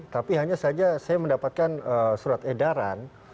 tapi hanya saja saya mendapatkan surat edaran